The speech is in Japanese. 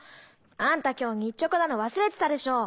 あんた今日日直なの忘れてたでしょ？